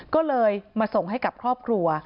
ก็เลยมาส่งให้กับครอบครัว